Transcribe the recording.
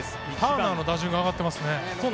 ターナーの打順が上がってますね。